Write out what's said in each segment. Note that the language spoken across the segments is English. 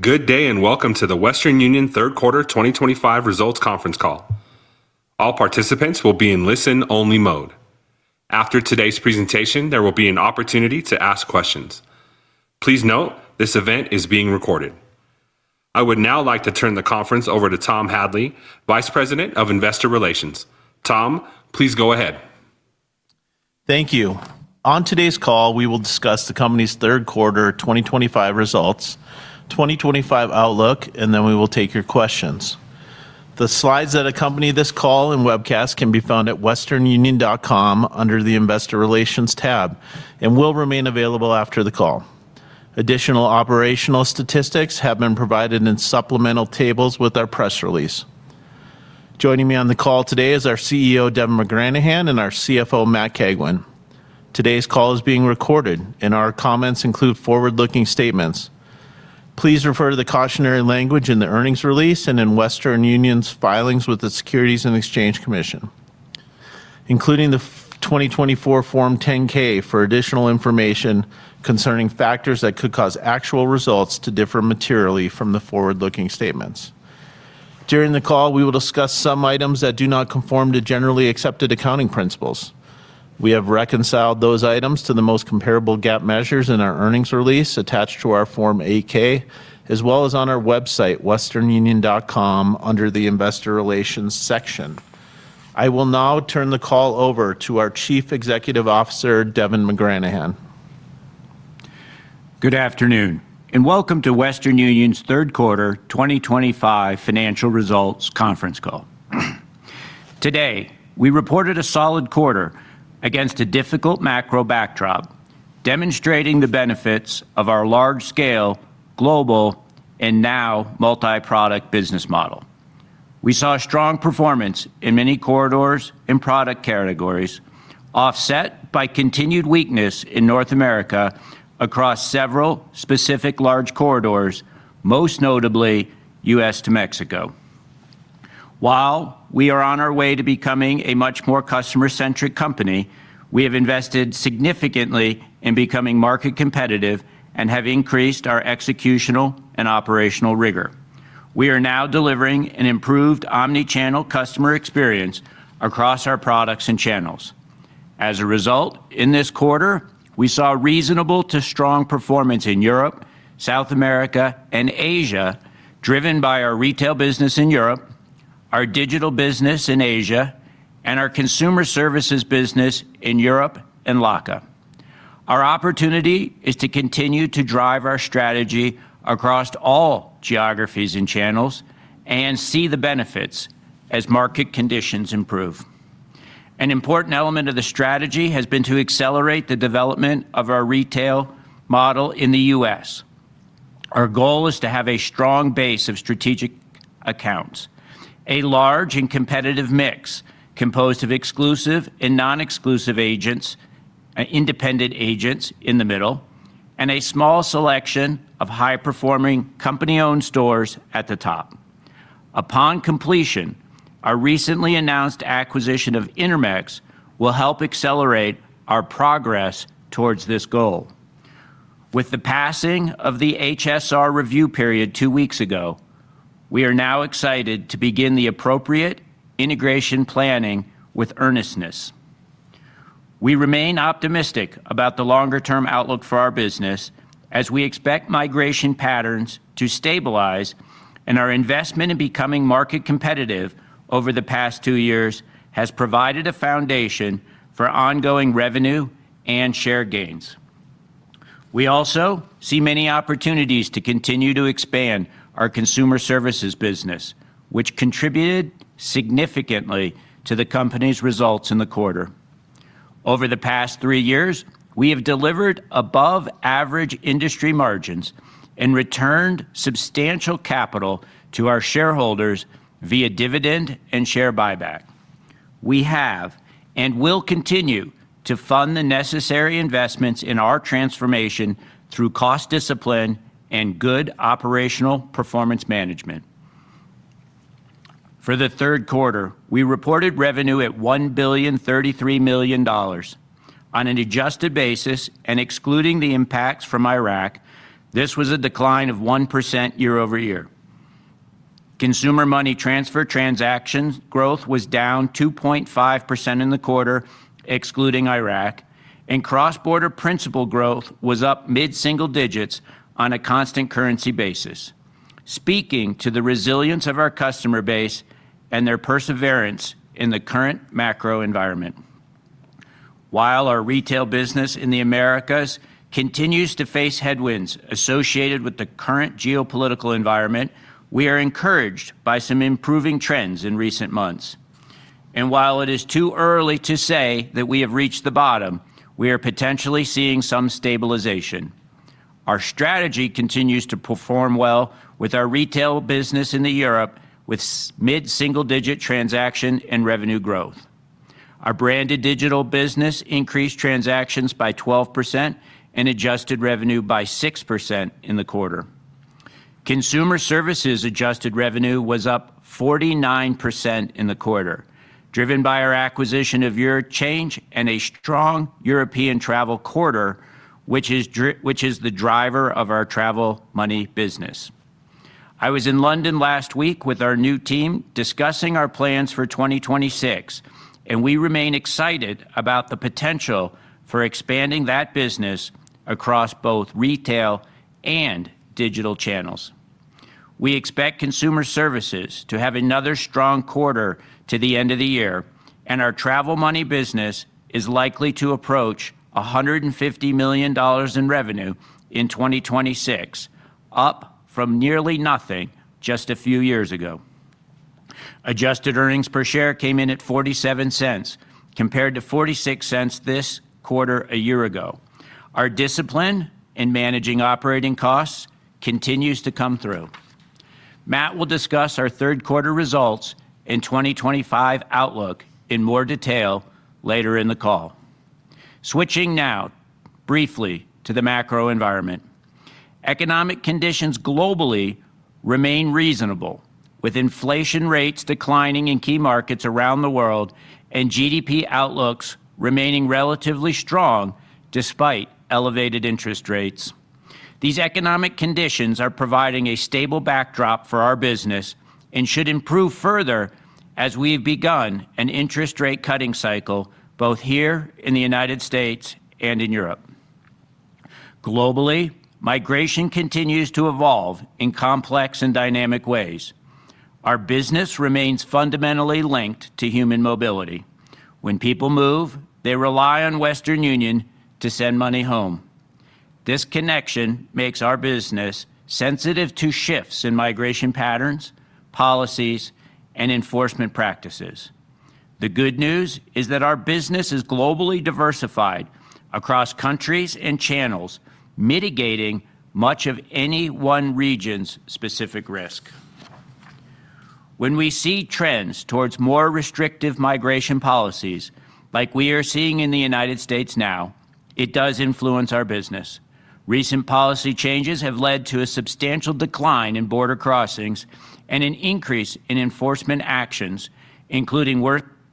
Good day and welcome to the Western Union third quarter 2025 results conference call. All participants will be in listen-only mode. After today's presentation, there will be an opportunity to ask questions. Please note, this event is being recorded. I would now like to turn the conference over to Tom Hadley, Vice President of Investor Relations. Tom, please go ahead. Thank you. On today's call, we will discuss the company's third quarter 2025 results, 2025 outlook, and then we will take your questions. The slides that accompany this call and webcast can be found at westernunion.com under the Investor Relations tab and will remain available after the call. Additional operational statistics have been provided in supplemental tables with our press release. Joining me on the call today is our CEO, Devin McGranahan, and our CFO, Matt Cagwin. Today's call is being recorded, and our comments include forward-looking statements. Please refer to the cautionary language in the earnings release and in Western Union's filings with the Securities and Exchange Commission, including the 2024 Form 10-K for additional information concerning factors that could cause actual results to differ materially from the forward-looking statements. During the call, we will discuss some items that do not conform to generally accepted accounting principles. We have reconciled those items to the most comparable GAAP measures in our earnings release attached to our Form 8-K, as well as on our website, westernunion.com, under the Investor Relations section. I will now turn the call over to our Chief Executive Officer, Devin McGranahan. Good afternoon and welcome to Western Union's third quarter 2025 financial results conference call. Today, we reported a solid quarter against a difficult macro backdrop, demonstrating the benefits of our large-scale, global, and now multi-product business model. We saw strong performance in many corridors and product categories, offset by continued weakness in North America across several specific large corridors, most notably U.S. to Mexico. While we are on our way to becoming a much more customer-centric company, we have invested significantly in becoming market competitive and have increased our executional and operational rigor. We are now delivering an improved omnichannel customer experience across our products and channels. As a result, in this quarter, we saw reasonable to strong performance in Europe, South America, and Asia, driven by our retail business in Europe, our digital business in Asia, and our consumer services business in Europe and LACA. Our opportunity is to continue to drive our strategy across all geographies and channels and see the benefits as market conditions improve. An important element of the strategy has been to accelerate the development of our retail model in the U.S. Our goal is to have a strong base of strategic accounts, a large and competitive mix composed of exclusive and non-exclusive agents, independent agents in the middle, and a small selection of high-performing company-owned stores at the top. Upon completion, our recently announced acquisition of Intermex will help accelerate our progress towards this goal. With the passing of the HSR review period two weeks ago, we are now excited to begin the appropriate integration planning with earnestness. We remain optimistic about the longer-term outlook for our business, as we expect migration patterns to stabilize, and our investment in becoming market competitive over the past two years has provided a foundation for ongoing revenue and share gains. We also see many opportunities to continue to expand our consumer services business, which contributed significantly to the company's results in the quarter. Over the past three years, we have delivered above-average industry margins and returned substantial capital to our shareholders via dividend and share buyback. We have and will continue to fund the necessary investments in our transformation through cost discipline and good operational performance management. For the third quarter, we reported revenue at $1,033,000,000 on an adjusted basis, and excluding the impacts from Iraq, this was a decline of 1% year-over-year. Consumer money transfer transactions growth was down 2.5% in the quarter, excluding Iraq, and cross-border principal growth was up mid-single digits on a constant currency basis, speaking to the resilience of our customer base and their perseverance in the current macro environment. While our retail business in the Americas continues to face headwinds associated with the current geopolitical environment, we are encouraged by some improving trends in recent months. While it is too early to say that we have reached the bottom, we are potentially seeing some stabilization. Our strategy continues to perform well with our retail business in Europe with mid-single-digit transaction and revenue growth. Our branded digital business increased transactions by 12% and adjusted revenue by 6% in the quarter. Consumer services adjusted revenue was up 49% in the quarter, driven by our acquisition of eurochange and a strong European travel quarter, which is the driver of our travel money business. I was in London last week with our new team discussing our plans for 2026, and we remain excited about the potential for expanding that business across both retail and digital channels. We expect consumer services to have another strong quarter to the end of the year, and our travel money business is likely to approach $150 million in revenue in 2026, up from nearly nothing just a few years ago. Adjusted earnings per share came in at $0.47, compared to $0.46 this quarter a year ago. Our discipline in managing operating costs continues to come through. Matt will discuss our third quarter results and 2025 outlook in more detail later in the call. Switching now briefly to the macro environment. Economic conditions globally remain reasonable, with inflation rates declining in key markets around the world and GDP outlooks remaining relatively strong despite elevated interest rates. These economic conditions are providing a stable backdrop for our business and should improve further as we have begun an interest rate cutting cycle both here in the United States. and in Europe. Globally, migration continues to evolve in complex and dynamic ways. Our business remains fundamentally linked to human mobility. When people move, they rely on Western Union to send money home. This connection makes our business sensitive to shifts in migration patterns, policies, and enforcement practices. The good news is that our business is globally diversified across countries and channels, mitigating much of any one region's specific risk. When we see trends towards more restrictive migration policies, like we are seeing in the United States now, it does influence our business. Recent policy changes have led to a substantial decline in border crossings and an increase in enforcement actions, including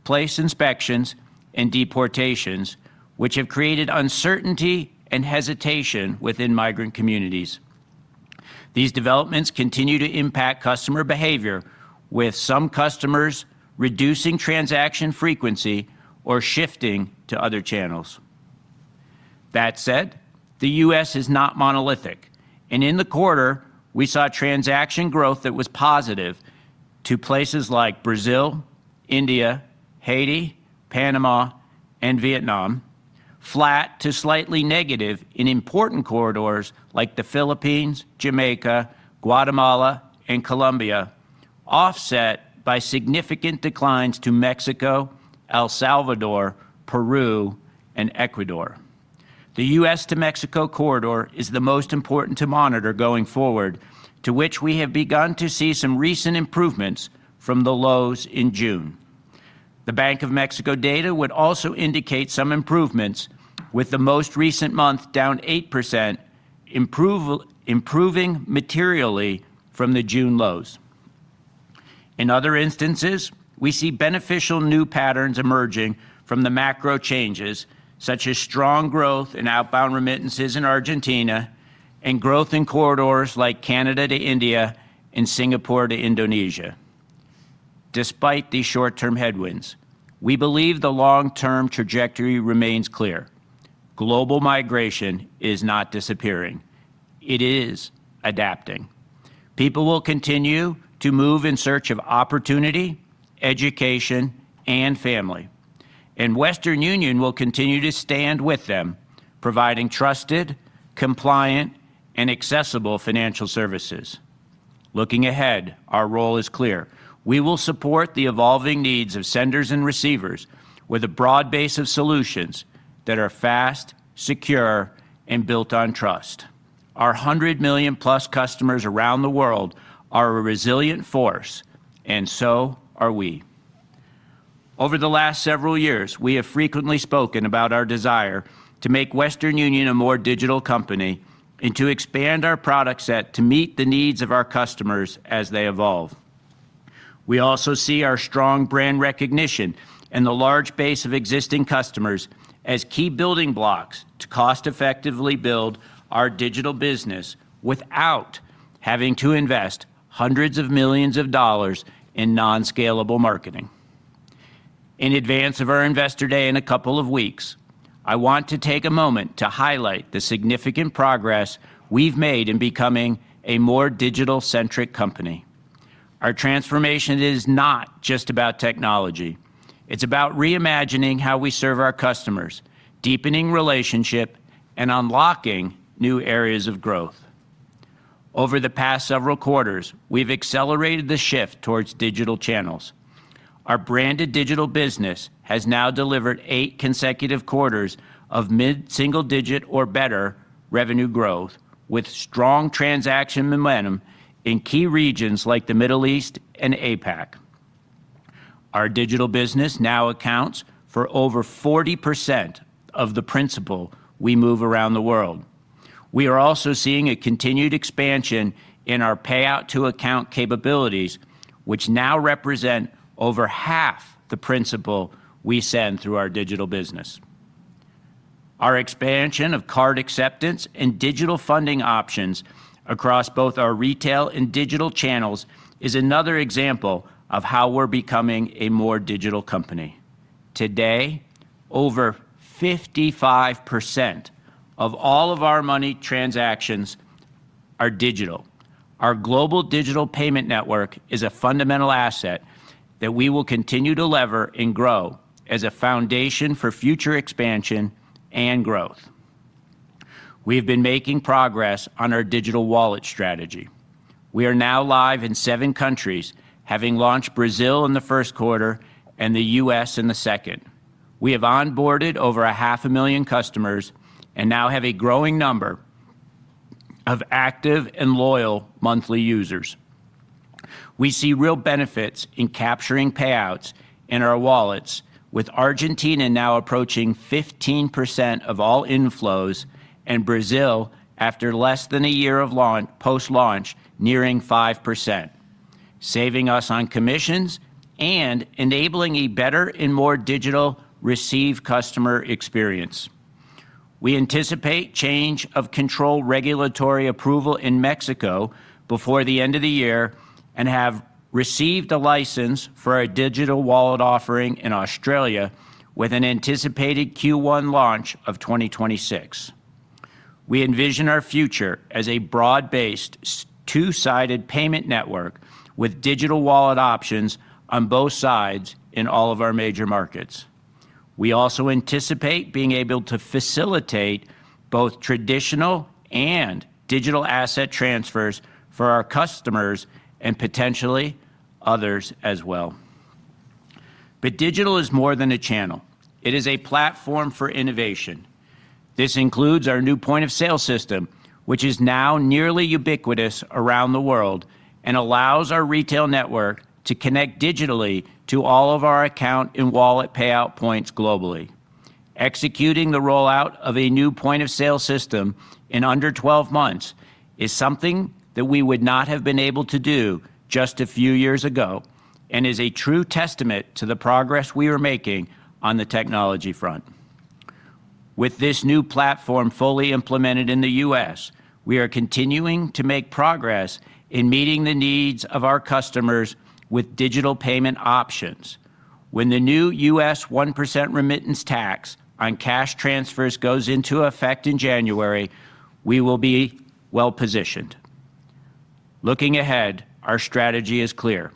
workplace inspections and deportations, which have created uncertainty and hesitation within migrant communities. These developments continue to impact customer behavior, with some customers reducing transaction frequency or shifting to other channels. That said, the U.S. is not monolithic, and in the quarter, we saw transaction growth that was positive to places like Brazil, India, Haiti, Panama, and Vietnam, flat to slightly negative in important corridors like the Philippines, Jamaica, Guatemala, and Colombia, offset by significant declines to Mexico, El Salvador, Peru, and Ecuador. The U.S. to Mexico corridor is the most important to monitor going forward, to which we have begun to see some recent improvements from the lows in June. The Bank of Mexico data would also indicate some improvements, with the most recent month down 8%, improving materially from the June lows. In other instances, we see beneficial new patterns emerging from the macro changes, such as strong growth in outbound remittances in Argentina and growth in corridors like Canada to India and Singapore to Indonesia. Despite these short-term headwinds, we believe the long-term trajectory remains clear. Global migration is not disappearing; it is adapting. People will continue to move in search of opportunity, education, and family, and Western Union will continue to stand with them, providing trusted, compliant, and accessible financial services. Looking ahead, our role is clear. We will support the evolving needs of senders and receivers with a broad base of solutions that are fast, secure, and built on trust. Our 100 million+ customers around the world are a resilient force, and so are we. Over the last several years, we have frequently spoken about our desire to make Western Union a more digital company and to expand our product set to meet the needs of our customers as they evolve. We also see our strong brand recognition and the large base of existing customers as key building blocks to cost-effectively build our digital business without having to invest hundreds of millions of dollars in non-scalable marketing. In advance of our Investor Day in a couple of weeks, I want to take a moment to highlight the significant progress we've made in becoming a more digital-centric company. Our transformation is not just about technology, it's about reimagining how we serve our customers, deepening relationships, and unlocking new areas of growth. Over the past several quarters, we've accelerated the shift towards digital channels. Our branded digital business has now delivered eight consecutive quarters of mid-single-digit or better revenue growth, with strong transaction momentum in key regions like the Middle East and APAC. Our digital business now accounts for over 40% of the principal we move around the world. We are also seeing a continued expansion in our payout-to-account capabilities, which now represent over half the principal we send through our digital business. Our expansion of card acceptance and digital funding options across both our retail and digital channels is another example of how we're becoming a more digital company. Today, over 55% of all of our money transactions are digital. Our global digital payment network is a fundamental asset that we will continue to lever and grow as a foundation for future expansion and growth. We have been making progress on our digital wallet strategy. We are now live in seven countries, having launched Brazil in the first quarter and the U.S. in the second. We have onboarded over a half a million customers and now have a growing number of active and loyal monthly users. We see real benefits in capturing payouts in our wallets, with Argentina now approaching 15% of all inflows and Brazil after less than a year of post-launch nearing 5%, saving us on commissions and enabling a better and more digital receive customer experience. We anticipate change of control regulatory approval in Mexico before the end of the year and have received a license for our digital wallet offering in Australia, with an anticipated Q1 launch of 2026. We envision our future as a broad-based, two-sided payment network with digital wallet options on both sides in all of our major markets. We also anticipate being able to facilitate both traditional and digital asset transfers for our customers and potentially others as well. Digital is more than a channel. It is a platform for innovation. This includes our new point-of-sale system, which is now nearly ubiquitous around the world and allows our retail network to connect digitally to all of our account and wallet payout points globally. Executing the rollout of a new point-of-sale system in under 12 months is something that we would not have been able to do just a few years ago and is a true testament to the progress we are making on the technology front. With this new platform fully implemented in the U.S., we are continuing to make progress in meeting the needs of our customers with digital payment options. When the new U.S. 1% remittance tax on cash transfers goes into effect in January, we will be well positioned. Looking ahead, our strategy is clear.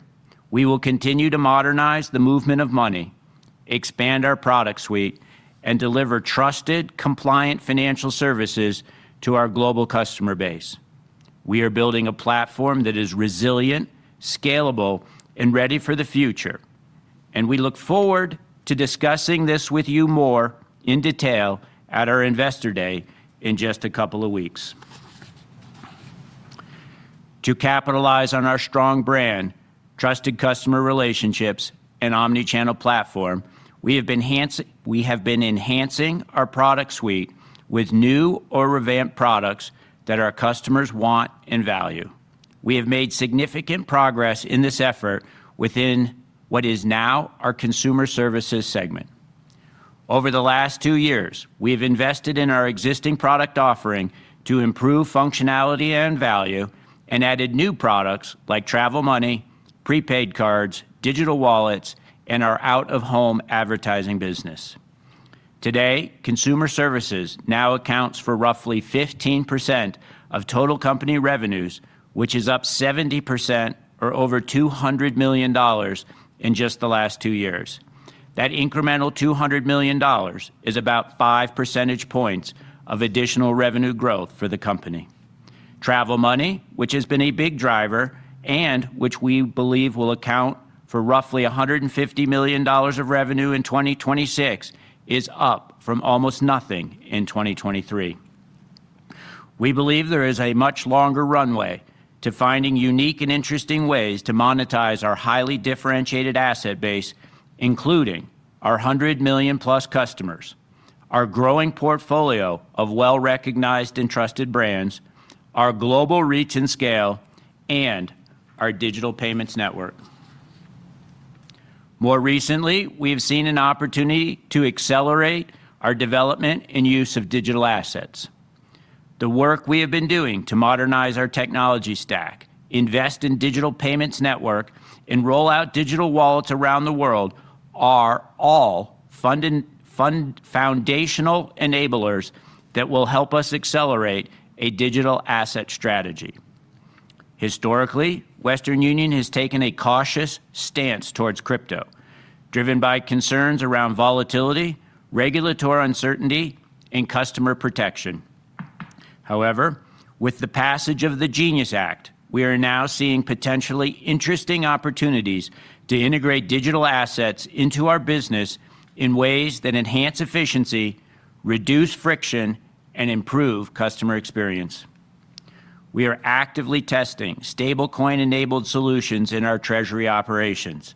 We will continue to modernize the movement of money, expand our product suite, and deliver trusted, compliant financial services to our global customer base. We are building a platform that is resilient, scalable, and ready for the future. We look forward to discussing this with you more in detail at our Investor Day in just a couple of weeks. To capitalize on our strong brand, trusted customer relationships, and omnichannel platform, we have been enhancing our product suite with new or revamped products that our customers want and value. We have made significant progress in this effort within what is now our consumer services segment. Over the last two years, we have invested in our existing product offering to improve functionality and value and added new products like travel money, prepaid cards, digital wallets, and our out-of-home advertising business. Today, consumer services now accounts for roughly 15% of total company revenues, which is up 70% or over $200 million in just the last two years. That incremental $200 million is about 5 percentage points of additional revenue growth for the company. Travel money, which has been a big driver and which we believe will account for roughly $150 million of revenue in 2026, is up from almost nothing in 2023. We believe there is a much longer runway to finding unique and interesting ways to monetize our highly differentiated asset base, including our 100 million+ customers, our growing portfolio of well-recognized and trusted brands, our global reach and scale, and our digital payments network. More recently, we have seen an opportunity to accelerate our development and use of digital assets. The work we have been doing to modernize our technology stack, invest in digital payments network, and roll out digital wallets around the world are all foundational enablers that will help us accelerate a digital asset strategy. Historically, Western Union has taken a cautious stance towards crypto, driven by concerns around volatility, regulatory uncertainty, and customer protection. However, with the passage of the GENIUS Act, we are now seeing potentially interesting opportunities to integrate digital assets into our business in ways that enhance efficiency, reduce friction, and improve customer experience. We are actively testing stablecoin-enabled treasury solutions in our treasury operations.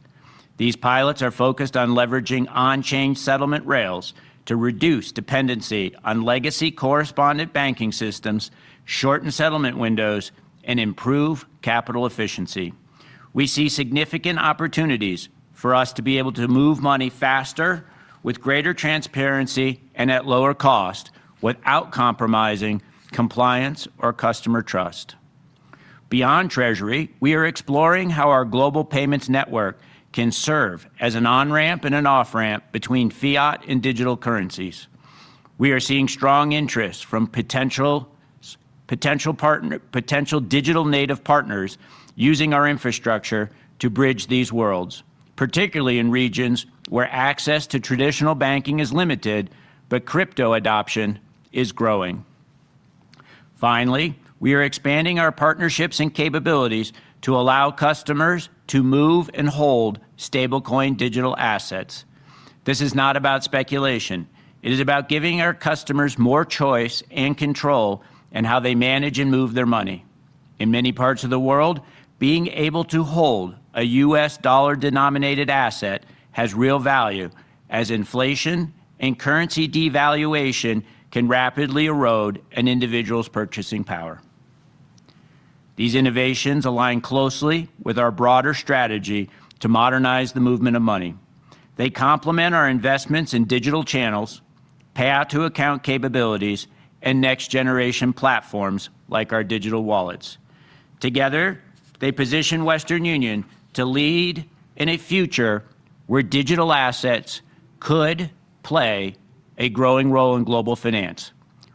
These pilots are focused on leveraging on-chain settlement rails to reduce dependency on legacy correspondent banking systems, shorten settlement windows, and improve capital efficiency. We see significant opportunities for us to be able to move money faster, with greater transparency and at lower cost, without compromising compliance or customer trust. Beyond treasury, we are exploring how our global payments network can serve as an on-ramp and an off-ramp between fiat and digital currencies. We are seeing strong interest from potential digital native partners using our infrastructure to bridge these worlds, particularly in regions where access to traditional banking is limited but crypto adoption is growing. Finally, we are expanding our partnerships and capabilities to allow customers to move and hold stablecoin digital assets. This is not about speculation; it is about giving our customers more choice and control in how they manage and move their money. In many parts of the world, being able to hold a U.S. dollar-denominated asset has real value, as inflation and currency devaluation can rapidly erode an individual's purchasing power. These innovations align closely with our broader strategy to modernize the movement of money. They complement our investments in digital channels, payout-to-account capabilities, and next-generation platforms like our digital wallets. Together, they position Western Union to lead in a future where digital assets could play a growing role in global finance.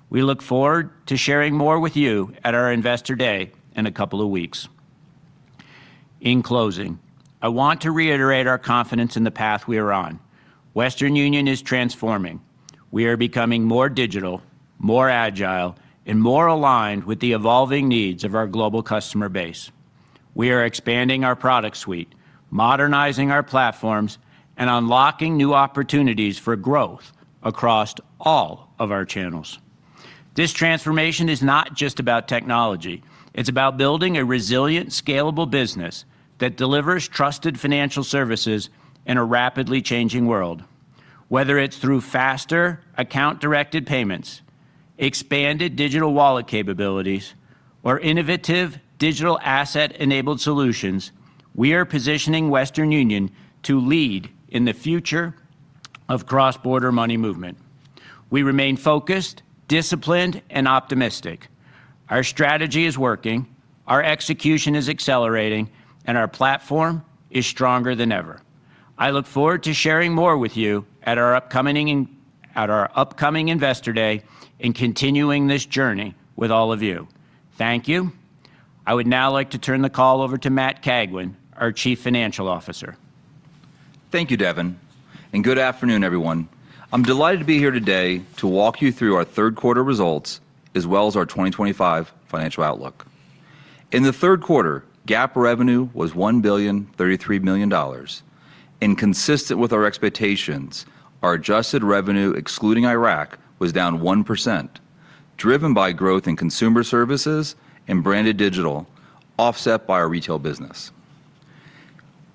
We look forward to sharing more with you at our Investor Day in a couple of weeks. In closing, I want to reiterate our confidence in the path we are on. Western Union is transforming. We are becoming more digital, more agile, and more aligned with the evolving needs of our global customer base. We are expanding our product suite, modernizing our platforms, and unlocking new opportunities for growth across all of our channels. This transformation is not just about technology, it's about building a resilient, scalable business that delivers trusted financial services in a rapidly changing world. Whether it's through faster account-directed payments, expanded digital wallet capabilities, or innovative digital asset-enabled solutions, we are positioning Western Union to lead in the future of cross-border money movement. We remain focused, disciplined, and optimistic. Our strategy is working, our execution is accelerating, and our platform is stronger than ever. I look forward to sharing more with you at our upcoming Investor Day and continuing this journey with all of you. Thank you. I would now like to turn the call over to Matt Cagwin, our Chief Financial Officer. Thank you, Devin, and good afternoon, everyone. I'm delighted to be here today to walk you through our third quarter results as well as our 2025 financial outlook. In the third quarter, GAAP revenue was $1,033,000,000, and consistent with our expectations, our adjusted revenue, excluding Iraq, was down 1%, driven by growth in consumer services and branded digital, offset by our retail business.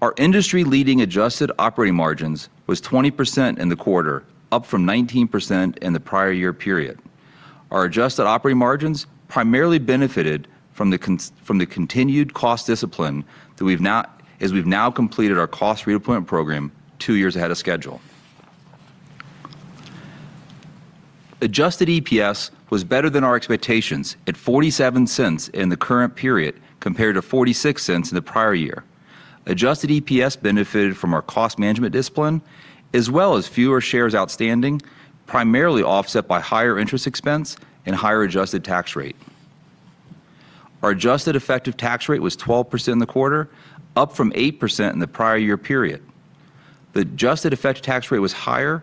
Our industry-leading adjusted operating margins were 20% in the quarter, up from 19% in the prior year period. Our adjusted operating margins primarily benefited from the continued cost discipline now that we've completed our cost redeployment program two years ahead of schedule. Adjusted EPS was better than our expectations at $0.47 in the current period compared to $0.46 in the prior year. Adjusted EPS benefited from our cost management discipline as well as fewer shares outstanding, primarily offset by higher interest expense and higher adjusted tax rate. Our adjusted effective tax rate was 12% in the quarter, up from 8% in the prior year period. The adjusted effective tax rate was higher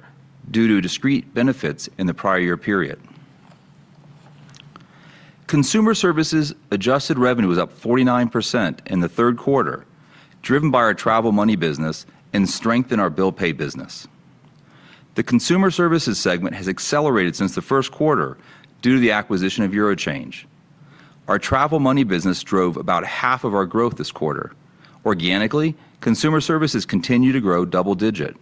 due to discrete benefits in the prior year period. Consumer services adjusted revenue was up 49% in the third quarter, driven by our travel money business and strength in our bill pay business. The consumer services segment has accelerated since the first quarter due to the acquisition of eurochange. Our travel money business drove about half of our growth this quarter. Organically, consumer services continue to grow double-digit.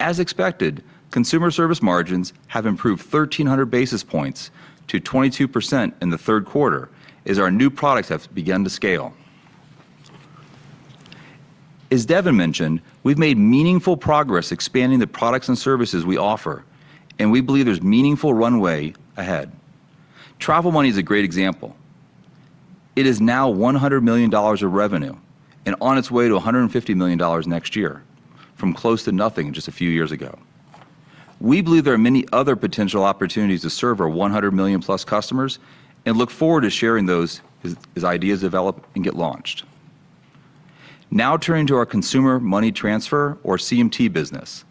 As expected, consumer service margins have improved 1,300 basis points to 22% in the third quarter as our new products have begun to scale. As Devin mentioned, we've made meaningful progress expanding the products and services we offer, and we believe there's meaningful runway ahead. Travel money is a great example. It is now $100 million of revenue and on its way to $150 million next year, from close to nothing just a few years ago. We believe there are many other potential opportunities to serve our 100 million+ customers and look forward to sharing those as ideas develop and get launched. Now turning to our consumer money transfer, or CMT, business.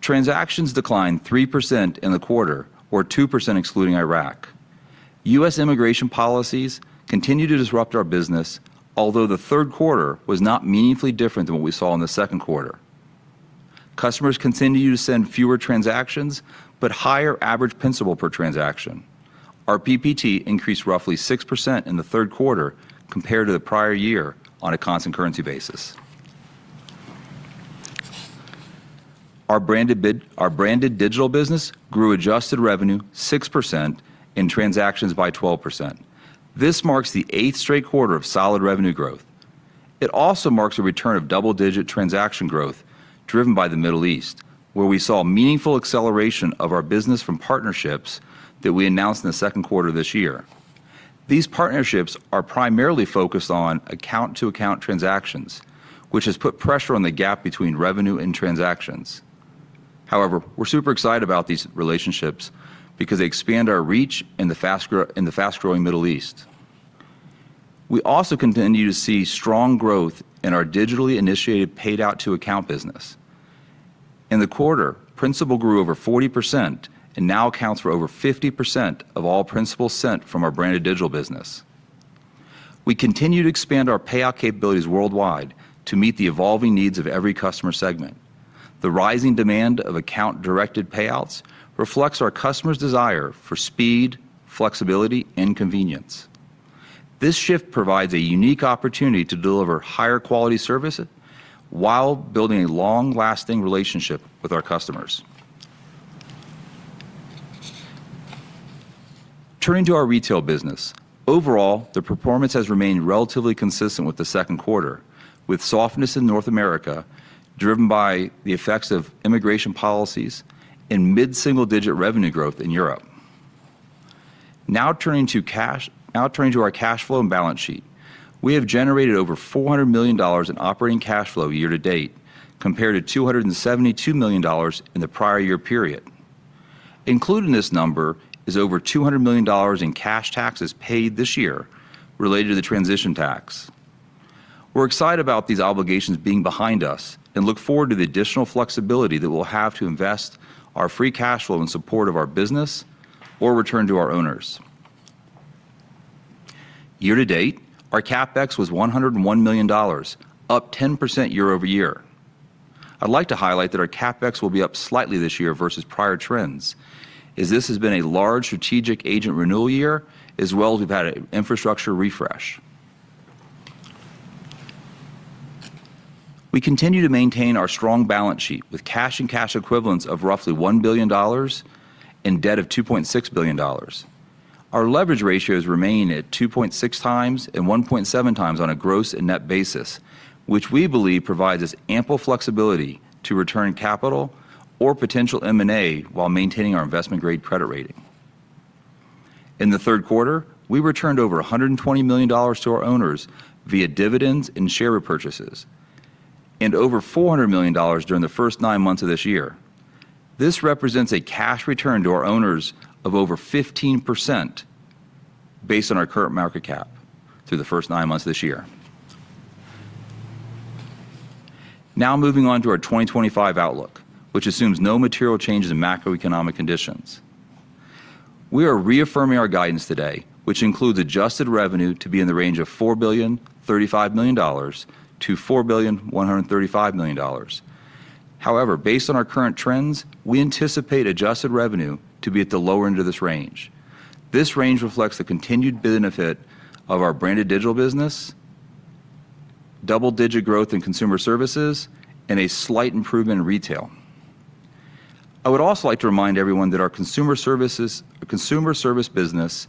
Transactions declined 3% in the quarter, or 2% excluding Iraq. U.S. immigration policies continue to disrupt our business, although the third quarter was not meaningfully different than what we saw in the second quarter. Customers continue to send fewer transactions but higher average principal per transaction. Our PPT increased roughly 6% in the third quarter compared to the prior year on a constant currency basis. Our branded digital business grew adjusted revenue 6% and transactions by 12%. This marks the eighth straight quarter of solid revenue growth. It also marks a return of double-digit transaction growth driven by the Middle East, where we saw meaningful acceleration of our business from partnerships that we announced in the second quarter of this year. These partnerships are primarily focused on account-to-account transactions, which has put pressure on the gap between revenue and transactions. However, we're super excited about these relationships because they expand our reach in the fast-growing Middle East. We also continue to see strong growth in our digitally initiated payout-to-account business. In the quarter, principal grew over 40% and now accounts for over 50% of all principal sent from our branded digital business. We continue to expand our payout capabilities worldwide to meet the evolving needs of every customer segment. The rising demand of account-directed payouts reflects our customers' desire for speed, flexibility, and convenience. This shift provides a unique opportunity to deliver higher quality services while building a long-lasting relationship with our customers. Turning to our retail business, overall, the performance has remained relatively consistent with the second quarter, with softness in North America driven by the effects of immigration policies and mid-single-digit revenue growth in Europe. Now turning to our cash flow and balance sheet, we have generated over $400 million in operating cash flow year-to-date compared to $272 million in the prior year period. Included in this number is over $200 million in cash taxes paid this year related to the transition tax. We're excited about these obligations being behind us and look forward to the additional flexibility that we'll have to invest our free cash flow in support of our business or return to our owners. Year-to-date, our CapEx was $101 million, up 10% year-over-year. I'd like to highlight that our CapEx will be up slightly this year versus prior trends, as this has been a large strategic agent renewal year, as well as we've had an infrastructure refresh. We continue to maintain our strong balance sheet with cash and cash equivalents of roughly $1 billion and debt of $2.6 billion. Our leverage ratios remain at 2.6x and 1.7x on a gross and net basis, which we believe provides us ample flexibility to return capital or potential M&A while maintaining our investment-grade credit rating. In the third quarter, we returned over $120 million to our owners via dividends and share repurchases and over $400 million during the first nine months of this year. This represents a cash return to our owners of over 15% based on our current market cap through the first nine months of this year. Now moving on to our 2025 outlook, which assumes no material changes in macroeconomic conditions. We are reaffirming our guidance today, which includes adjusted revenue to be in the range of $4,035,000,000-$4,135,000,000. However, based on our current trends, we anticipate adjusted revenue to be at the lower end of this range. This range reflects the continued benefit of our branded digital business, double-digit growth in consumer services, and a slight improvement in retail. I would also like to remind everyone that our consumer service business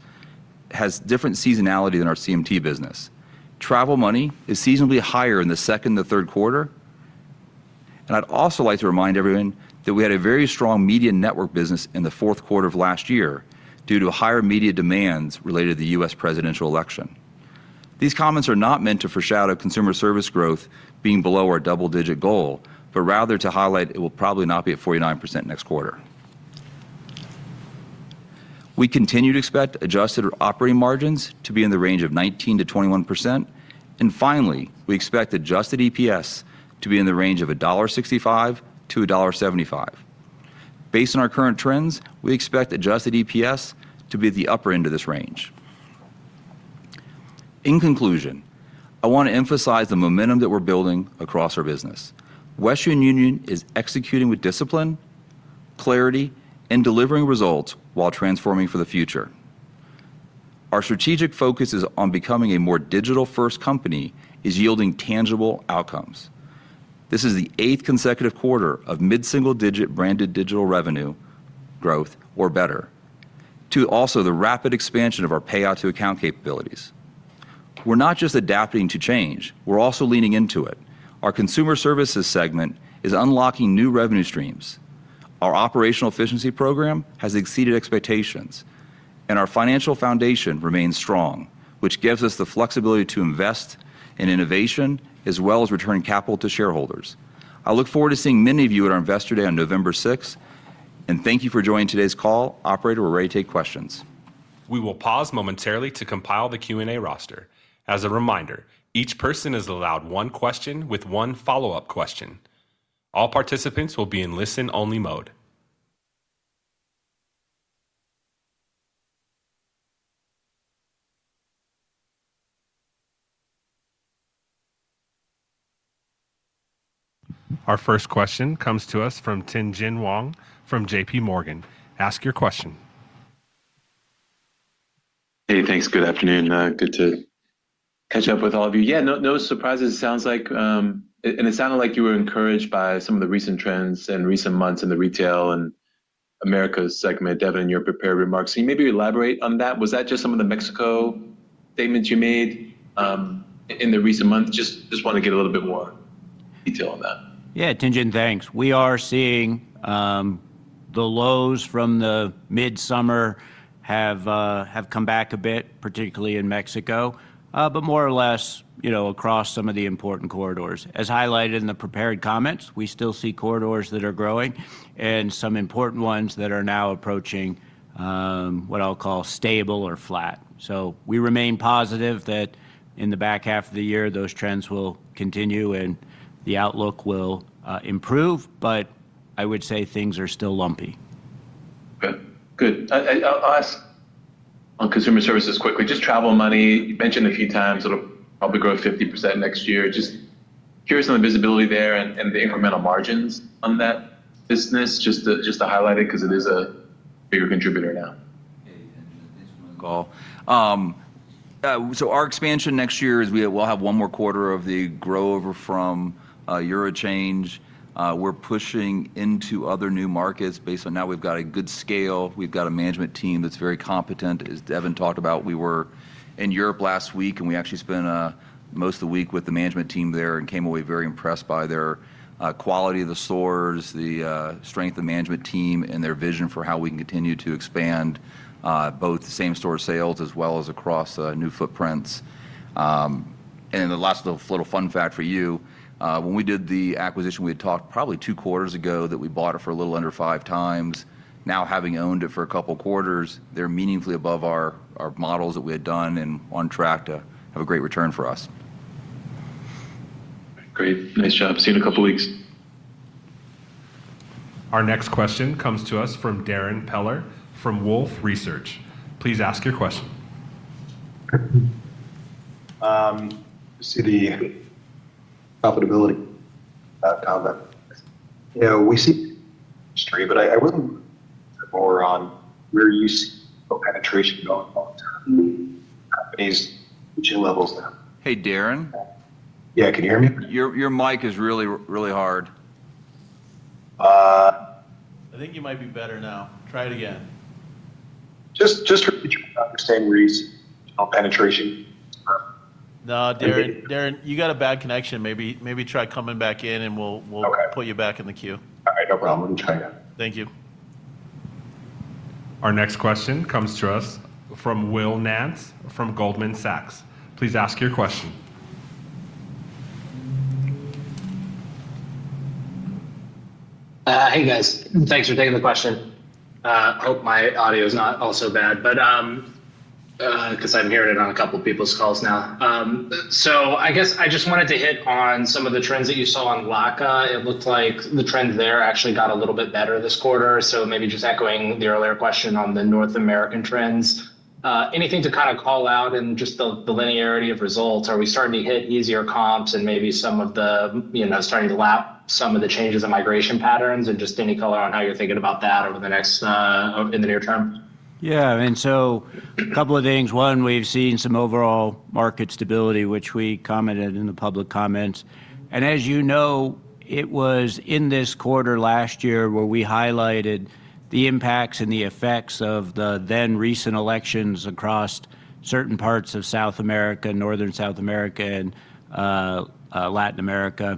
has different seasonality than our CMT business. Travel money is seasonally higher in the second and the third quarter. I would also like to remind everyone that we had a very strong media network business in the fourth quarter of last year due to higher media demands related to the U.S. presidential election. These comments are not meant to foreshadow consumer service growth being below our double-digit goal, but rather to highlight it will probably not be at 49% next quarter. We continue to expect adjusted operating margins to be in the range of 19%-21%, and finally, we expect adjusted EPS to be in the range of $1.65-$1.75. Based on our current trends, we expect adjusted EPS to be at the upper end of this range. In conclusion, I want to emphasize the momentum that we're building across our business. Western Union is executing with discipline, clarity, and delivering results while transforming for the future. Our strategic focus on becoming a more digital-first company is yielding tangible outcomes. This is the eighth consecutive quarter of mid-single-digit branded digital revenue growth or better, to also the rapid expansion of our payout-to-account capabilities. We're not just adapting to change; we're also leaning into it. Our consumer services segment is unlocking new revenue streams. Our operational efficiency program has exceeded expectations, and our financial foundation remains strong, which gives us the flexibility to invest in innovation as well as return capital to shareholders. I look forward to seeing many of you at our Investor Day on November 6, and thank you for joining today's call. Operator, we're ready to take questions. We will pause momentarily to compile the Q&A roster. As a reminder, each person is allowed one question with one follow-up question. All participants will be in listen-only mode. Our first question comes to us from Tien-tsin Huang from JPMorgan. Ask your question. Hey, thanks. Good afternoon. Good to catch up with all of you. No surprises. It sounds like you were encouraged by some of the recent trends in recent months in the retail and North America segment, Devin, in your prepared remarks. Can you maybe elaborate on that? Was that just some of the Mexico statements you made in the recent months? Just want to get a little bit more detail on that. Yeah, Tien-tsin, thanks. We are seeing the lows from the midsummer have come back a bit, particularly in Mexico, but more or less across some of the important corridors. As highlighted in the prepared comments, we still see corridors that are growing and some important ones that are now approaching what I'll call stable or flat. We remain positive that in the back half of the year, those trends will continue and the outlook will improve, but I would say things are still lumpy. Good. I'll ask on Consumer Services quickly. Just travel money, you mentioned a few times it'll probably grow 50% next year. Just curious on the visibility there and the incremental margins on that business, just to highlight it because it is a bigger contributor now. Our expansion next year is we'll have one more quarter of the growover from eurochange. We're pushing into other new markets based on now we've got a good scale. We've got a management team that's very competent, as Devin talked about. We were in Europe last week, and we actually spent most of the week with the management team there and came away very impressed by their quality of the stores, the strength of the management team, and their vision for how we can continue to expand both the same store sales as well as across new footprints. The last little fun fact for you, when we did the acquisition, we had talked probably two quarters ago that we bought it for a little under five times. Now having owned it for a couple of quarters, they're meaningfully above our models that we had done and on track to have a great return for us. Great. Nice job. See you in a couple of weeks. Our next question comes to us from Darrin Peller from Wolfe Research. Please ask your question. I see the profitability comment. We see the industry, but I really want to focus more on where you see penetration going long term. Companies reaching levels now. Hey, Darrin. Yeah, can you hear me? Your mic is really, really hard. I think you might be better now. Try it again. Just for the same reason, penetration. No, Darrin, you got a bad connection. Maybe try coming back in and we'll put you back in the queue. All right, no problem. Let me try again. Thank you. Our next question comes to us from Will Nance from Goldman Sachs. Please ask your question. Hey, guys. Thanks for taking the question. I hope my audio is not all so bad, because I'm hearing it on a couple of people's calls now. I just wanted to hit on some of the trends that you saw on LACA. It looked like the trends there actually got a little bit better this quarter. Maybe just echoing the earlier question on the North American trends, anything to call out in just the linearity of results? Are we starting to hit easier comps and maybe starting to lap some of the changes in migration patterns, and any color on how you're thinking about that over the next, in the near term? Yeah, I mean, a couple of things. One, we've seen some overall market stability, which we commented in the public comments. As you know, it was in this quarter last year where we highlighted the impacts and the effects of the then recent elections across certain parts of South America, Northern South America, and Latin America.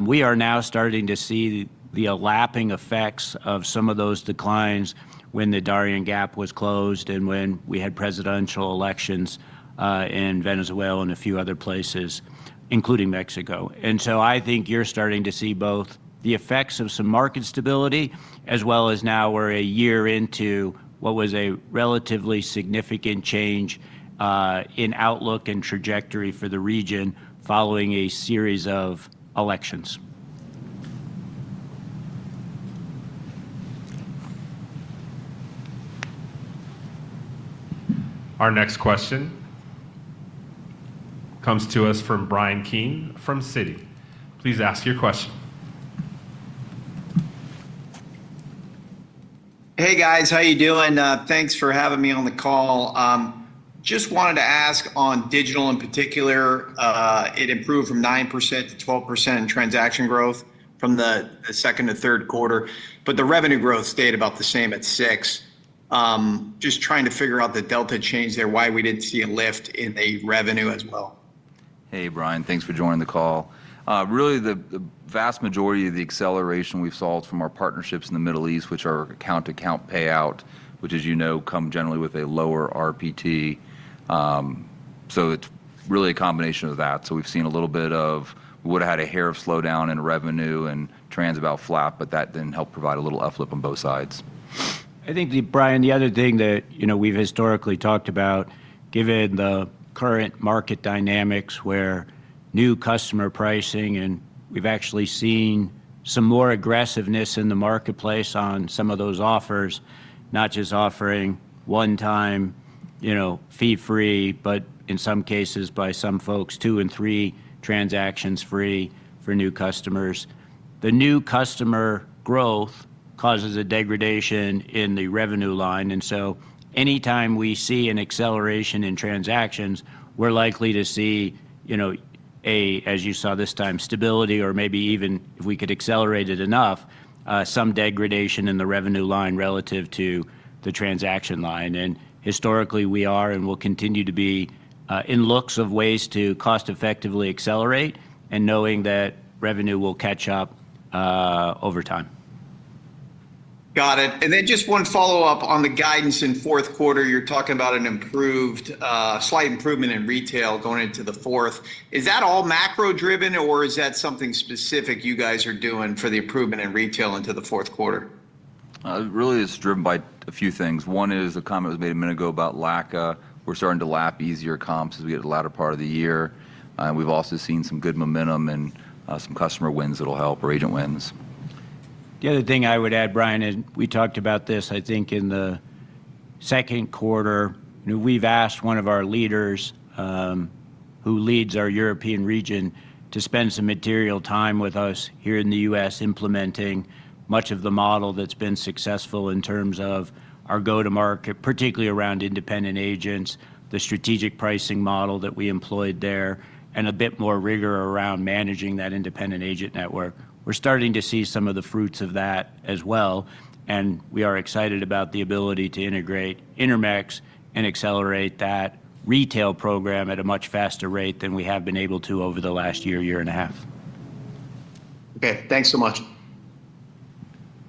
We are now starting to see the lapping effects of some of those declines when the Darién Gap was closed and when we had presidential elections in Venezuela and a few other places, including Mexico. I think you're starting to see both the effects of some market stability as well as now we're a year into what was a relatively significant change in outlook and trajectory for the region following a series of elections. Our next question comes to us from Bryan Keane from Citi. Please ask your question. Hey, guys. How you doing? Thanks for having me on the call. Just wanted to ask on digital in particular, it improved from 9%-12% in transaction growth from the second to third quarter, but the revenue growth stayed about the same at 6%. Just trying to figure out the delta change there, why we didn't see a lift in the revenue as well. Hey, Bryan. Thanks for joining the call. Really, the vast majority of the acceleration we've solved from our partnerships in the Middle East, which are account-to-account payout, which, as you know, come generally with a lower RPT. It's really a combination of that. We've seen a little bit of, we would have had a hair of slowdown in revenue and trends about flat, but that then helped provide a little uplift on both sides. I think, Bryan, the other thing that we've historically talked about, given the current market dynamics where new customer pricing, and we've actually seen some more aggressiveness in the marketplace on some of those offers, not just offering one-time fee-free, but in some cases by some folks, two and three transactions free for new customers. The new customer growth causes a degradation in the revenue line, and anytime we see an acceleration in transactions, we're likely to see, as you saw this time, stability, or maybe even if we could accelerate it enough, some degradation in the revenue line relative to the transaction line. Historically, we are and will continue to be in looks of ways to cost-effectively accelerate and knowing that revenue will catch up over time. Got it. Just one follow-up on the guidance in the fourth quarter. You're talking about a slight improvement in retail going into the fourth. Is that all macro-driven, or is that something specific you guys are doing for the improvement in retail into the fourth quarter? Really, it's driven by a few things. One is a comment that was made a minute ago about LACA. We're starting to lap easier comps as we get to the latter part of the year. We've also seen some good momentum and some customer wins that'll help, or agent wins. The other thing I would add, Bryan, and we talked about this, I think in the second quarter, we've asked one of our leaders who leads our European region to spend some material time with us here in the U.S. implementing much of the model that's been successful in terms of our go-to-market, particularly around independent agents, the strategic pricing model that we employed there, and a bit more rigor around managing that independent agent network. We're starting to see some of the fruits of that as well, and we are excited about the ability to integrate Intermex and accelerate that retail program at a much faster rate than we have been able to over the last year, year and a half. Okay, thanks so much.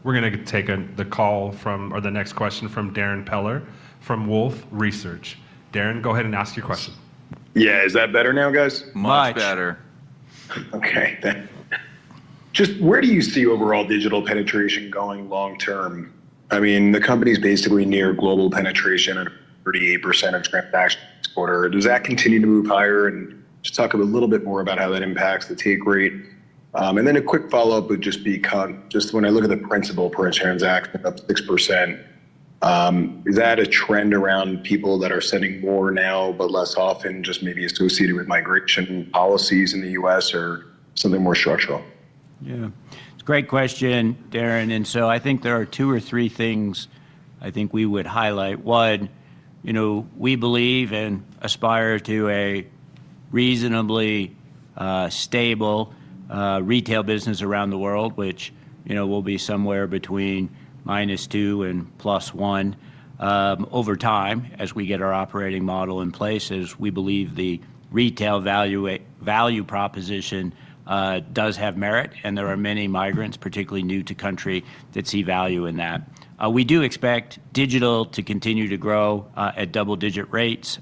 We're going to take the call from, or the next question from Darrin Peller from Wolfe Research. Darrin, go ahead and ask your question. Yeah, is that better now, guys? Much better. Okay, thanks. Just where do you see overall digital penetration going long term? I mean, the company's basically near global penetration at 38% of transactions this quarter. Does that continue to move higher? Could you talk a little bit more about how that impacts the take rate? A quick follow-up would be, just when I look at the principal per transaction up 6%, is that a trend around people that are sending more now but less often, maybe associated with migration policies in the U.S. or something more structural? Yeah, it's a great question, Darrin. I think there are two or three things I think we would highlight. One, you know, we believe and aspire to a reasonably stable retail business around the world, which will be somewhere between -2% and +1% over time as we get our operating model in place. We believe the retail value proposition does have merit, and there are many migrants, particularly new to country, that see value in that. We do expect digital to continue to grow at double-digit rates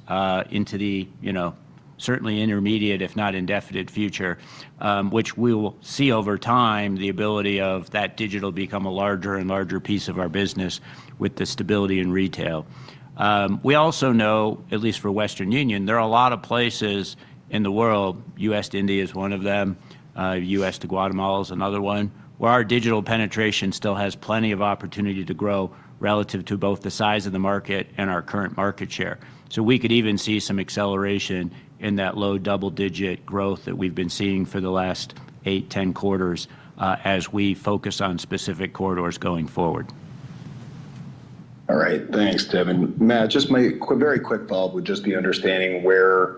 into the, you know, certainly intermediate, if not indefinite future, which we will see over time, the ability of that digital to become a larger and larger piece of our business with the stability in retail. We also know, at least for Western Union, there are a lot of places in the world, U.S. to India is one of them, U.S. to Guatemala is another one, where our digital penetration still has plenty of opportunity to grow relative to both the size of the market and our current market share. We could even see some acceleration in that low double-digit growth that we've been seeing for the last eight, ten quarters as we focus on specific corridors going forward. All right, thanks, Devin. Matt, just my very quick follow-up would just be understanding where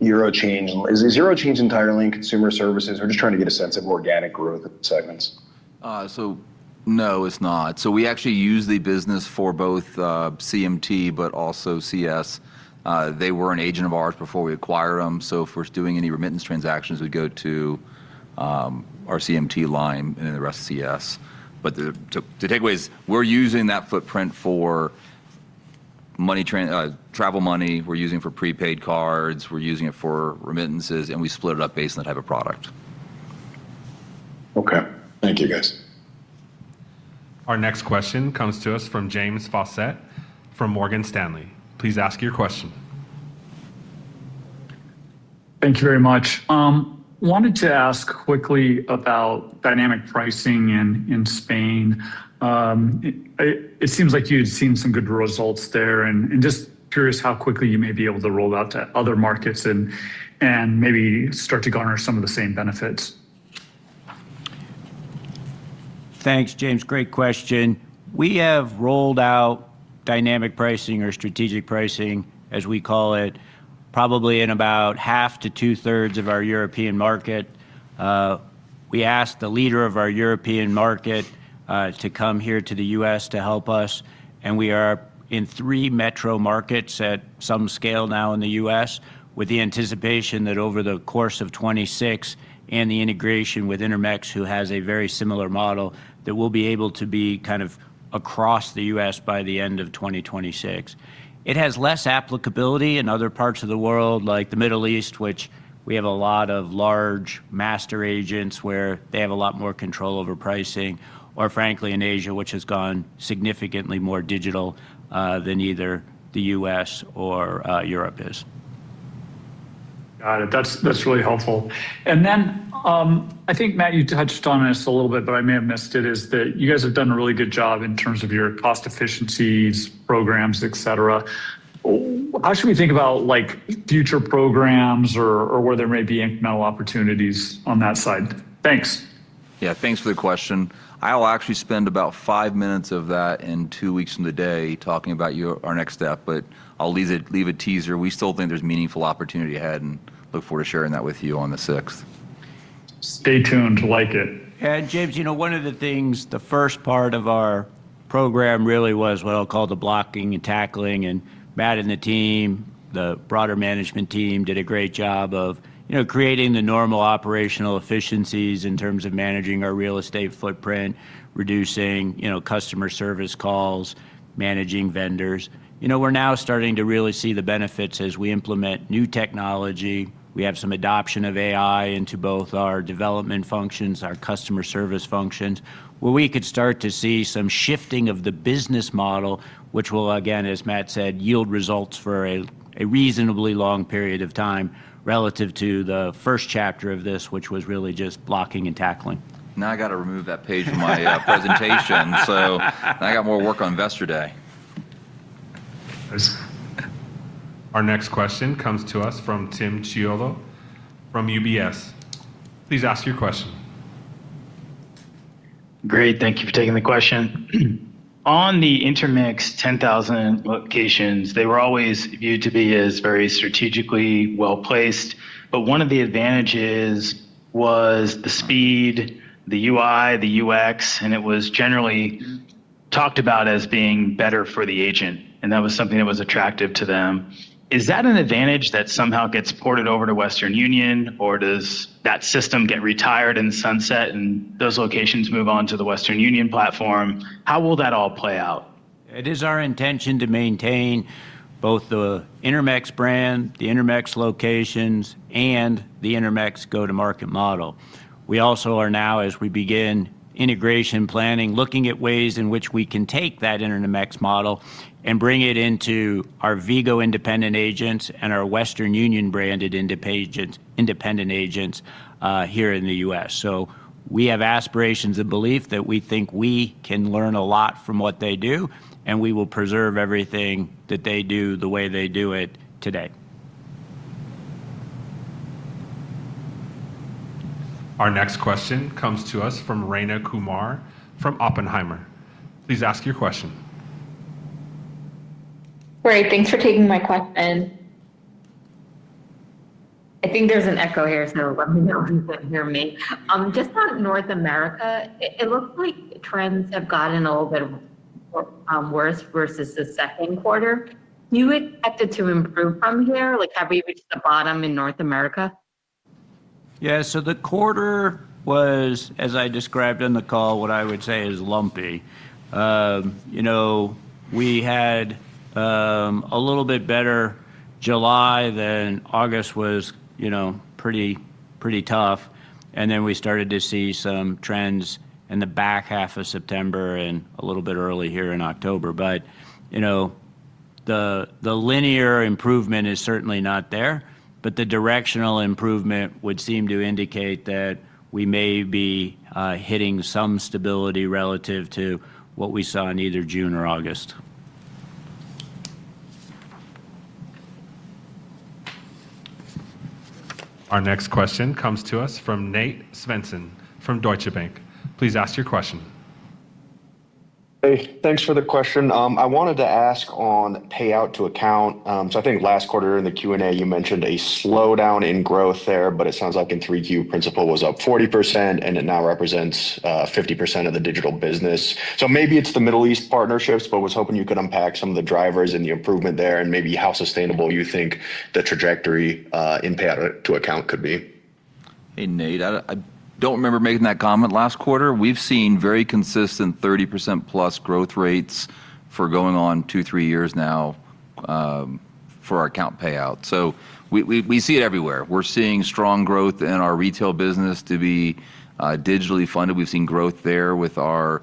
eurochange, is eurochange entirely in Consumer Services? We're just trying to get a sense of organic growth in the segments. It is not. We actually use the business for both CMT, but also CS. They were an agent of ours before we acquired them. If we're doing any remittance transactions, we go to our CMT line and then the rest of CS. The takeaway is we're using that footprint for travel money, we're using it for prepaid cards, we're using it for remittances, and we split it up based on the type of product. Okay, thank you, guys. Our next question comes to us from James Faucette from Morgan Stanley. Please ask your question. Thank you very much. I wanted to ask quickly about dynamic pricing in Spain. It seems like you had seen some good results there, and just curious how quickly you may be able to roll that to other markets and maybe start to garner some of the same benefits. Thanks, James. Great question. We have rolled out dynamic pricing, or strategic pricing as we call it, probably in about 1/2 to 2/3 of our European market. We asked the leader of our European market to come here to the U.S. to help us, and we are in three metro markets at some scale now in the U.S., with the anticipation that over the course of 2026 and the integration with Intermex, who has a very similar model, that we'll be able to be kind of across the U.S. by the end of 2026. It has less applicability in other parts of the world, like the Middle East, which has a lot of large master agents where they have a lot more control over pricing, or frankly in Asia, which has gone significantly more digital than either the U.S. or Europe is. Got it. That's really helpful. I think, Matt, you touched on this a little bit, but I may have missed it. You guys have done a really good job in terms of your cost efficiencies, programs, etc. How should we think about future programs or where there may be incremental opportunities on that side? Thanks. Yeah, thanks for the question. I'll actually spend about five minutes of that in two weeks from today talking about our next step, but I'll leave a teaser. We still think there's meaningful opportunity ahead and look forward to sharing that with you on the 6th. Stay tuned to like it. James, you know, one of the things, the first part of our program really was what I'll call the blocking and tackling. Matt and the team, the broader management team, did a great job of creating the normal operational efficiencies in terms of managing our real estate footprint, reducing customer service calls, managing vendors. We're now starting to really see the benefits as we implement new technology. We have some adoption of AI into both our development functions and our customer service functions, where we could start to see some shifting of the business model, which will, again, as Matt said, yield results for a reasonably long period of time relative to the first chapter of this, which was really just blocking and tackling. Now I got to remove that page from my presentation, so I got more work on Investor Day. Our next question comes to us from Tim Chiodo from UBS. Please ask your question. Great, thank you for taking the question. On the Intermex 10,000 locations, they were always viewed to be as very strategically well placed. One of the advantages was the speed, the UI, the UX, and it was generally talked about as being better for the agent, and that was something that was attractive to them. Is that an advantage that somehow gets ported over to Western Union, or does that system get retired and sunset and those locations move on to the Western Union platform? How will that all play out? It is our intention to maintain both the Intermex brand, the Intermex locations, and the Intermex go-to-market model. We also are now, as we begin integration planning, looking at ways in which we can take that Intermex model and bring it into our Vigo independent agents and our Western Union branded independent agents here in the U.S. We have aspirations and belief that we think we can learn a lot from what they do, and we will preserve everything that they do the way they do it today. Our next question comes to us from Rayna Kumar from Oppenheimer. Please ask your question. Great, thanks for taking my question. I think there's an echo here, so let me know if you can hear me. Just on North America, it looks like trends have gotten a little bit worse versus the second quarter. Do you expect it to improve from here? Like, have we reached the bottom in North America? Yeah, the quarter was, as I described in the call, what I would say is lumpy. We had a little bit better July, then August was pretty tough, and we started to see some trends in the back half of September and a little bit early here in October. The linear improvement is certainly not there, but the directional improvement would seem to indicate that we may be hitting some stability relative to what we saw in either June or August. Our next question comes to us from Nate Svensson from Deutsche Bank. Please ask your question. Thanks for the question. I wanted to ask on payout-to-account. I think last quarter in the Q&A, you mentioned a slowdown in growth there, but it sounds like in Q3, principal was up 40%, and it now represents 50% of the digital business. Maybe it's the Middle East partnerships, but was hoping you could unpack some of the drivers and the improvement there, and maybe how sustainable you think the trajectory in payout-to-account could be. Hey, Nate. I don't remember making that comment last quarter. We've seen very consistent 30%+ growth rates for going on two, three years now for our account payout. We see it everywhere. We're seeing strong growth in our retail business to be digitally funded. We've seen growth there with our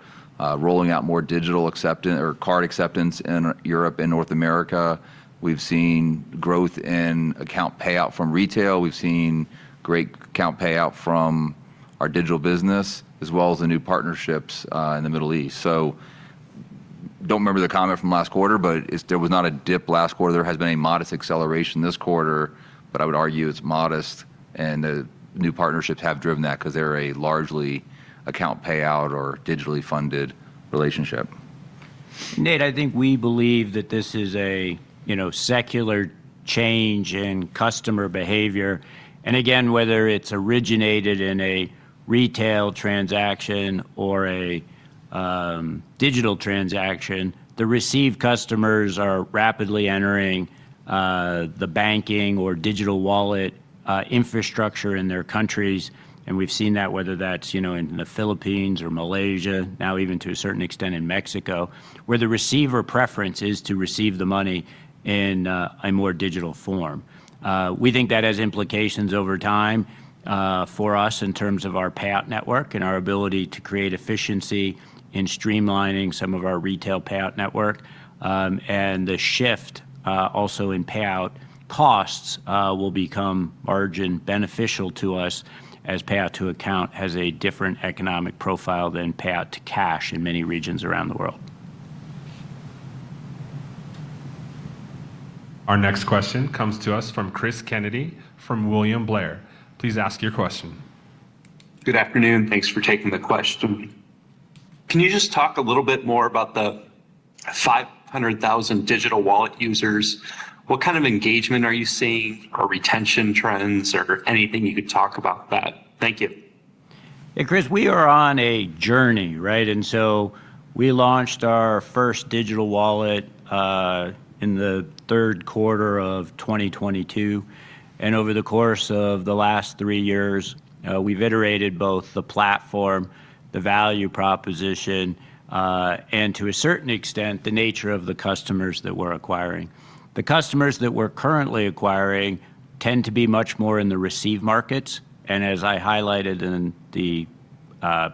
rolling out more digital card acceptance in Europe and North America. We've seen growth in account payout from retail. We've seen great account payout from our digital business, as well as the new partnerships in the Middle East. I don't remember the comment from last quarter, but there was not a dip last quarter. There has been a modest acceleration this quarter. I would argue it's modest, and the new partnerships have driven that because they're a largely account payout or digitally funded relationship. Nate, I think we believe that this is a secular change in customer behavior. Whether it's originated in a retail transaction or a digital transaction, the received customers are rapidly entering the banking or digital wallet infrastructure in their countries. We've seen that whether that's in the Philippines or Malaysia, now even to a certain extent in Mexico, where the receiver preference is to receive the money in a more digital form. We think that has implications over time for us in terms of our payout network and our ability to create efficiency in streamlining some of our retail payout network. The shift also in payout costs will become margin beneficial to us as payout to account has a different economic profile than payout to cash in many regions around the world. Our next question comes to us from Cris Kennedy from William Blair. Please ask your question. Good afternoon. Thanks for taking the question. Can you just talk a little bit more about the 500,000 digital wallet users? What kind of engagement are you seeing or retention trends or anything you could talk about that? Thank you. Yeah, Chris, we are on a journey, right? We launched our first digital wallet in the third quarter of 2022. Over the course of the last three years, we've iterated both the platform, the value proposition, and to a certain extent, the nature of the customers that we're acquiring. The customers that we're currently acquiring tend to be much more in the receive markets. As I highlighted in the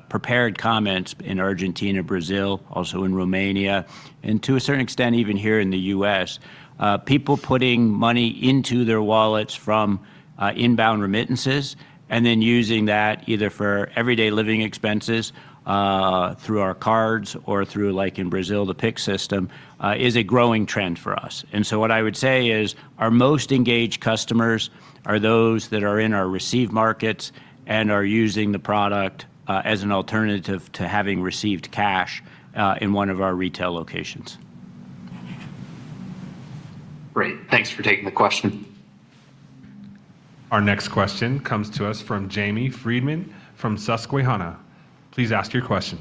prepared comments in Argentina, Brazil, also in Romania, and to a certain extent even here in the U.S., people putting money into their wallets from inbound remittances and then using that either for everyday living expenses through our cards or through, like in Brazil, the PIC system, is a growing trend for us. What I would say is our most engaged customers are those that are in our receive markets and are using the product as an alternative to having received cash in one of our retail locations. Great, thanks for taking the question. Our next question comes to us from Jamie Friedman from Susquehanna. Please ask your question.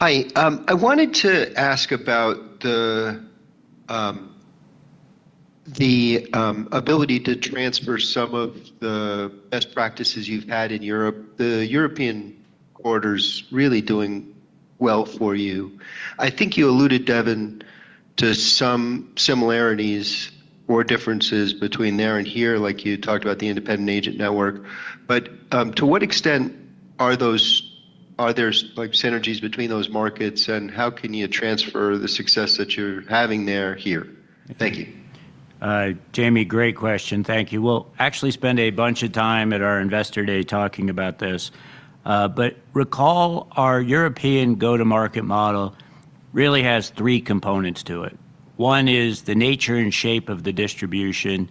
Hi. I wanted to ask about the ability to transfer some of the best practices you've had in Europe. The European quarter's really doing well for you. I think you alluded, Devin, to some similarities or differences between there and here, like you talked about the independent agent network. To what extent are there synergies between those markets and how can you transfer the success that you're having there here? Thank you. Jamie, great question. Thank you. We'll actually spend a bunch of time at our Investor Day talking about this. Recall our European go-to-market model really has three components to it. One is the nature and shape of the distribution.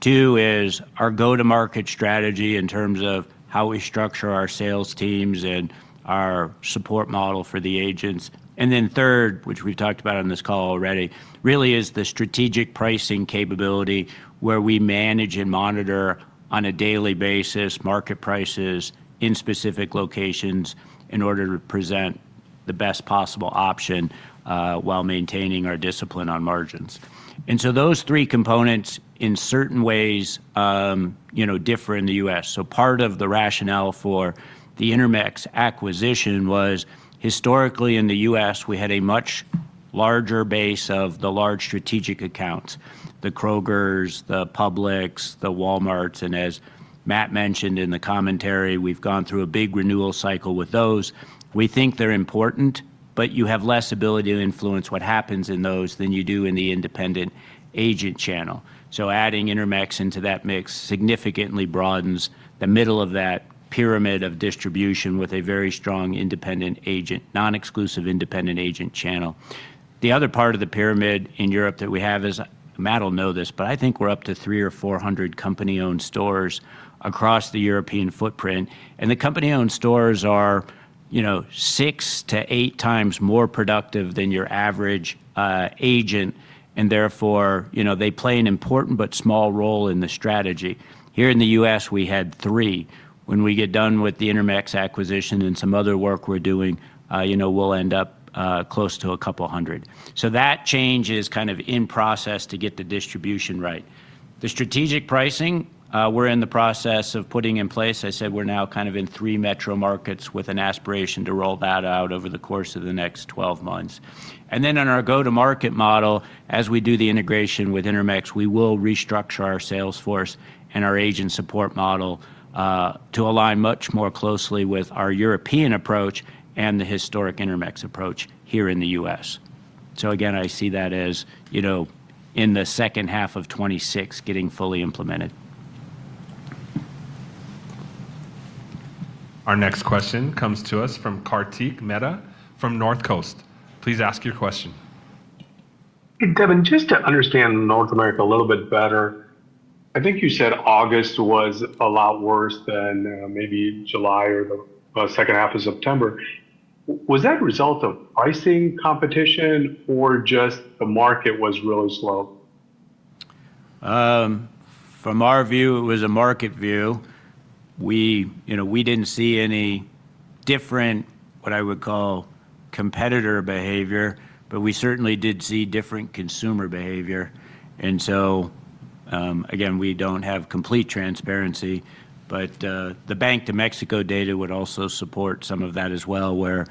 Two is our go-to-market strategy in terms of how we structure our sales teams and our support model for the agents. Third, which we've talked about on this call already, really is the strategic pricing capability where we manage and monitor on a daily basis market prices in specific locations in order to present the best possible option while maintaining our discipline on margins. Those three components in certain ways differ in the U.S. Part of the rationale for the Intermex acquisition was historically in the U.S., we had a much larger base of the large strategic accounts, the Krogers, the Publix, the Walmarts. As Matt mentioned in the commentary, we've gone through a big renewal cycle with those. We think they're important, but you have less ability to influence what happens in those than you do in the independent agent channel. Adding Intermex into that mix significantly broadens the middle of that pyramid of distribution with a very strong independent agent, non-exclusive independent agent channel. The other part of the pyramid in Europe that we have is, Matt will know this, but I think we're up to 300 or 400 company-owned stores across the European footprint. The company-owned stores are six to eight times more productive than your average agent, and therefore they play an important but small role in the strategy. Here in the U.S., we had three. When we get done with the Intermex acquisition and some other work we're doing, we'll end up close to a couple hundred. That change is kind of in process to get the distribution right. The strategic pricing, we're in the process of putting in place. I said we're now kind of in three metro markets with an aspiration to roll that out over the course of the next 12 months. On our go-to-market model, as we do the integration with Intermex, we will restructure our sales force and our agent support model to align much more closely with our European approach and the historic Intermex approach here in the U.S. I see that as in the second half of 2026 getting fully implemented. Our next question comes to us from Kartik Mehta from Northcoast. Please ask your question. Devin, just to understand North America a little bit better, I think you said August was a lot worse than maybe July or the second half of September. Was that a result of pricing competition, or just the market was really slow? From our view, it was a market view. We didn't see any different, what I would call, competitor behavior, but we certainly did see different consumer behavior. We don't have complete transparency, but the Banco de Mexico data would also support some of that as well, where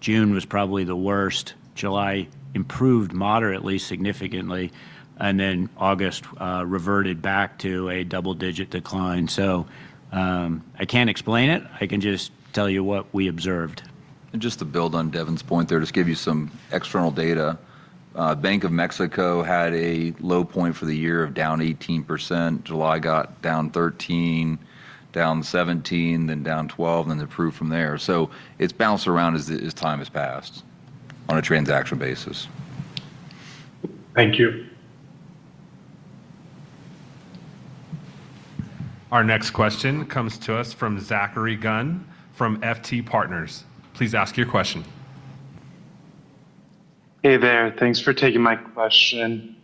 June was probably the worst, July improved moderately, significantly, and then August reverted back to a double-digit decline. I can't explain it. I can just tell you what we observed. To build on Devin's point there, just to give you some external data, Bank of Mexico had a low point for the year of down 18%. July got down 13%, down 17%, then down 12%, and then it improved from there. It has bounced around as time has passed on a transaction basis. Thank you. Our next question comes to us from Zachary Gunn from FT Partners. Please ask your question. Hey there. Thanks for taking my question.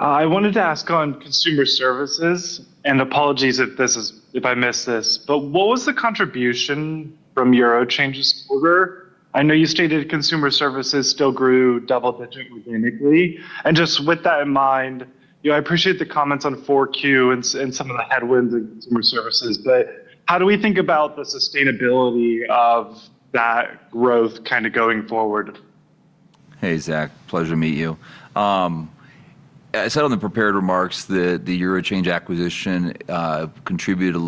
I wanted to ask on consumer services, and apologies if I missed this, but what was the contribution from eurochange this quarter? I know you stated consumer services still grew double-digit organically. With that in mind, I appreciate the comments on 4Q and some of the headwinds in consumer services, but how do we think about the sustainability of that growth kind of going forward? Hey Zach, pleasure to meet you. I said on the prepared remarks that the eurochange acquisition contributed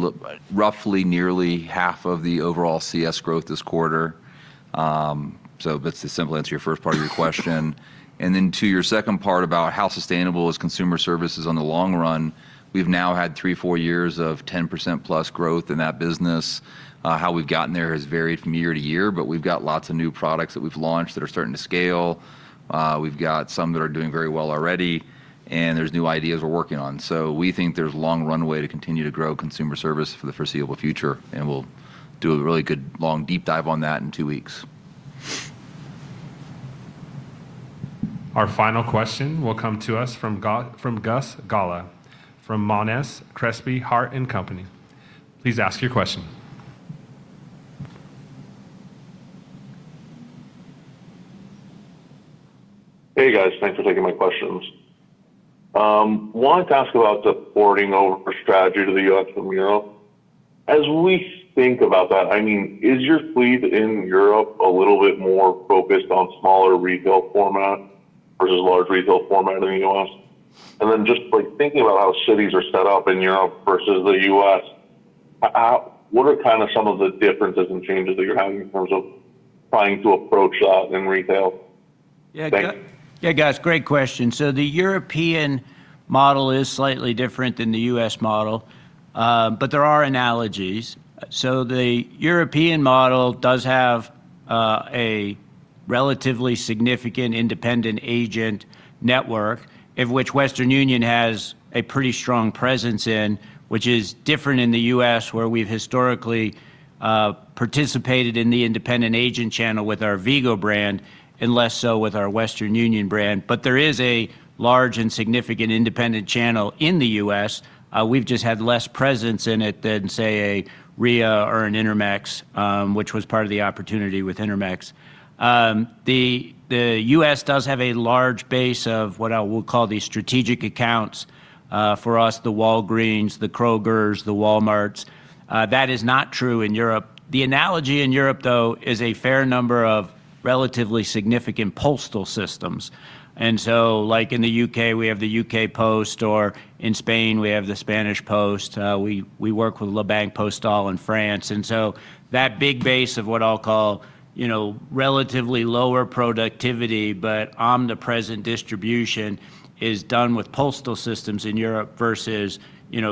roughly nearly half of the overall CS growth this quarter. That's the simple answer to your first part of your question. To your second part about how sustainable is consumer services on the long run, we've now had three, four years of 10%+ growth in that business. How we've gotten there has varied from year to year, but we've got lots of new products that we've launched that are starting to scale. We've got some that are doing very well already, and there's new ideas we're working on. We think there's a long runway to continue to grow consumer service for the foreseeable future, and we'll do a really good long deep dive on that in two weeks. Our final question will come to us from Gus Galá from Monness, Crespi, Hardt & Company. Please ask your question. Hey guys, thanks for taking my questions. Wanted to ask about the porting over strategy to the U.S. from Europe. As we think about that, is your fleet in Europe a little bit more focused on smaller retail format versus large retail format in the U.S.? Just thinking about how cities are set up in Europe versus the U.S., what are some of the differences and changes that you're having in terms of trying to approach that in retail? Yeah, great question. The European model is slightly different than the U.S. model, but there are analogies. The European model does have a relatively significant independent agent network, of which Western Union has a pretty strong presence, which is different in the U.S. where we've historically participated in the independent agent channel with our Vigo brand and less so with our Western Union brand. There is a large and significant independent channel in the U.S. We've just had less presence in it than, say, a Ria or an Intermex, which was part of the opportunity with Intermex. The U.S. does have a large base of what I will call the strategic accounts for us, the Walgreens, the Krogers, the Walmarts. That is not true in Europe. The analogy in Europe, though, is a fair number of relatively significant postal systems. Like in the U.K., we have the U.K. Post, or in Spain, we have the Spanish Post. We work with La Banque Postal in France. That big base of what I'll call relatively lower productivity but omnipresent distribution is done with postal systems in Europe versus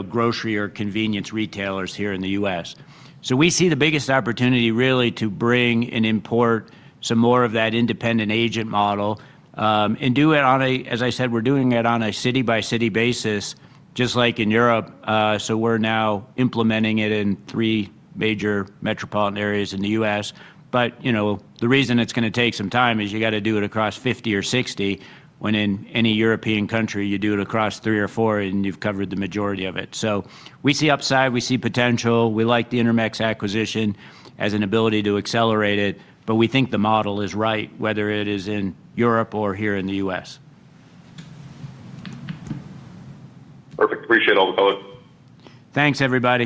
grocery or convenience retailers here in the U.S. We see the biggest opportunity really to bring and import some more of that independent agent model and do it on a, as I said, we're doing it on a city-by-city basis, just like in Europe. We're now implementing it in three major metropolitan areas in the U.S. The reason it's going to take some time is you have to do it across 50 or 60, when in any European country, you do it across three or four and you've covered the majority of it. We see upside, we see potential, we like the Intermex acquisition as an ability to accelerate it, but we think the model is right, whether it is in Europe or here in the U.S. Perfect. Appreciate all the color. Thanks, everybody.